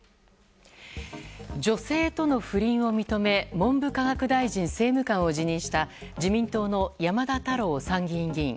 女性との不倫を認め文部科学大臣政務官を辞任した自民党の山田太郎参議院議員。